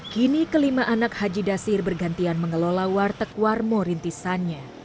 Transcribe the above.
kini kelima anak haji dasir bergantian mengelola warteg warmo rintisannya